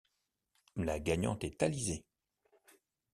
La gagnante est Alizée.